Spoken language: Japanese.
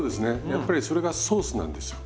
やっぱりそれがソースなんですよ